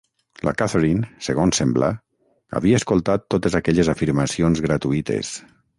La Catherine, segons sembla, havia escoltat totes aquelles afirmacions gratuïtes.